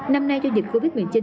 năm nay do dịch covid một mươi chín